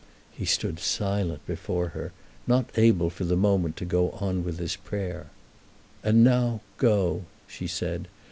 He stood silent before her, not able for the moment to go on with his prayer. "And now, go," she said.